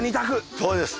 そうです。